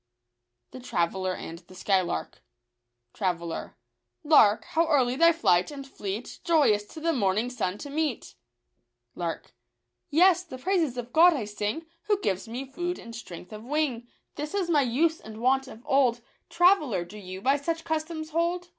Digitized by Google Vrabelltr anti t jje Jbfeglarfe. Traveller .—" Lark, how early thy flight, and fleet, Joyous the morning sun to meet !" Lark .—" Yes ; the praises of God I sing, Who gives me food and strength of wing: This is my use and wont of old. Traveller, do you by such customs hold